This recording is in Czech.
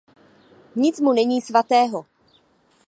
Nic mu není svatého.